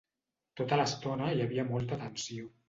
Tota l'estona hi havia molta tensió.